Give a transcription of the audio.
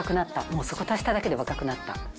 もうそこ足しただけで若くなった。